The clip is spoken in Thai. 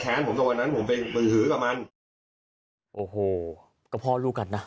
แล้วมันก็เลยแขนผมตอนนั้นผมไปบื่นหือกับมันโอ้โหก็พ่อลูกกันน่ะ